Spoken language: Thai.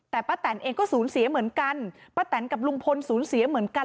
แต่ป้าแตนเองก็สูญเสียเหมือนกันป้าแตนกับลุงพลสูญเสียเหมือนกัน